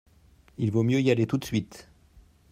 Il vaut mieux y aller tout de suite.